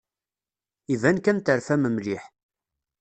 Iban kan terfam mliḥ.